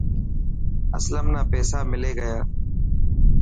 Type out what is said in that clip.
اسلم نا پيسا ملي گيا.